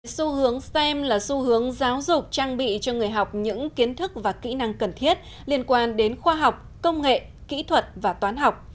xu hướng stem là xu hướng giáo dục trang bị cho người học những kiến thức và kỹ năng cần thiết liên quan đến khoa học công nghệ kỹ thuật và toán học